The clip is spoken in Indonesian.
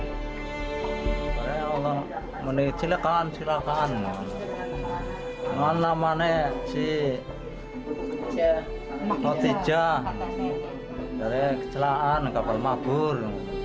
dari kecelakaan kapal mabur